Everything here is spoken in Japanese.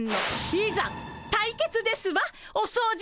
いざ対決ですわお掃除やさん！